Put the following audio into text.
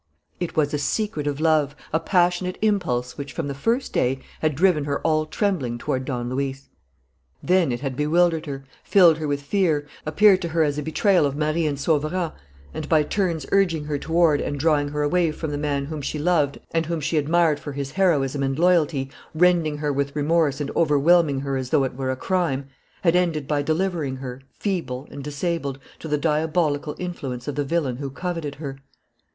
It was a secret of love, a passionate impulse which, from the first day, had driven her all trembling toward Don Luis. Then it had bewildered her, filled her with fear, appeared to her as a betrayal of Marie and Sauverand and, by turns urging her toward and drawing her away from the man whom she loved and whom she admired for his heroism and loyalty, rending her with remorse and overwhelming her as though it were a crime, had ended by delivering her, feeble and disabled, to the diabolical influence of the villain who coveted her.